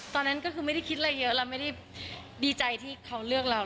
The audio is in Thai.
ตอนนั้นก็คือไม่ได้คิดอะไรเยอะเราไม่ได้ดีใจที่เขาเลือกเรา